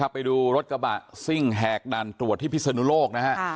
ไปดูรถกระบะซิ่งแหกด่านตรวจที่พิศนุโลกนะฮะ